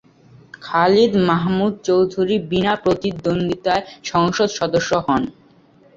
খালিদ মাহমুদ চৌধুরী বিনা প্রতিদ্বন্দ্বীতায় সংসদ সদস্য হন।